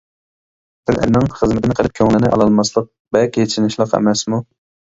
بىر ئەرنىڭ خىزمىتىنى قىلىپ كۆڭلىنى ئالالماسلىق بەك ئېچىنىشلىق ئەمەسمۇ.